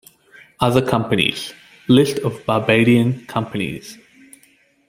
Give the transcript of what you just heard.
"Other companies: List of Barbadian companies"